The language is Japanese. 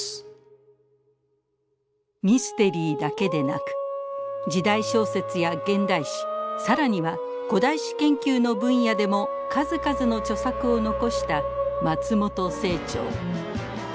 ミステリーだけでなく時代小説や現代史さらには古代史研究の分野でも数々の著作を遺した松本清張。